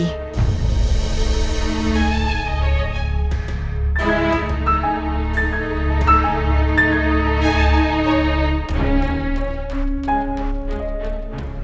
mereka ribut lagi